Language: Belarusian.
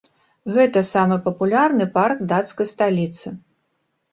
Гэта самы папулярны парк дацкай сталіцы.